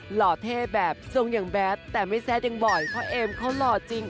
หล่อเท่แบบทรงอย่างแบทแต่ไม่แซดยังบ่อยเพราะเอมเขาหล่อจริง